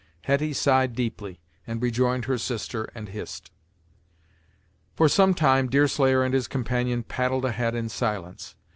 Hetty sighed deeply, and rejoined her sister and Hist. For some time Deerslayer and his companion paddled ahead in silence.